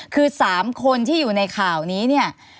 คือ๓คนที่อยู่ในข่าวนี้เนี่ย